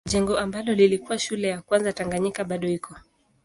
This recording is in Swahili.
Jengo ambalo lilikuwa shule ya kwanza Tanganyika bado iko.